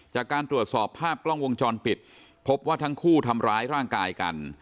จากการตรวจสอบภาพกล้องวงจรปิดพบว่าทั้งคู่ทำร้ายร่างกายกัน